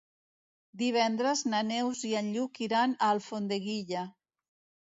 Divendres na Neus i en Lluc iran a Alfondeguilla.